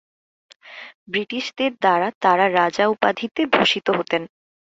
ব্রিটিশদের দ্বারা তারা রাজা উপাধিতে ভূষিত হতেন।